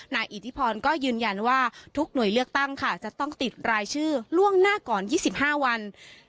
อิทธิพรก็ยืนยันว่าทุกหน่วยเลือกตั้งค่ะจะต้องติดรายชื่อล่วงหน้าก่อน๒๕วัน